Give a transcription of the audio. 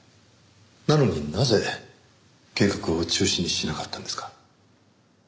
なのになぜ計画を中止にしなかったんですか？